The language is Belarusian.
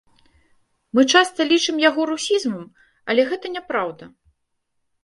Мы часта лічым яго русізмам, але гэта не праўда.